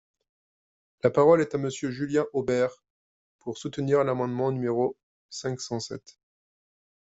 La parole est à Monsieur Julien Aubert, pour soutenir l’amendement numéro cinq cent sept.